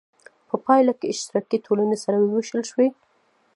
په پایله کې اشتراکي ټولنې سره وویشل شوې.